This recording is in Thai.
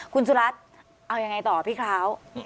คุณสุรัสร์ทเอายังไงต่ออ่ะพี่คราว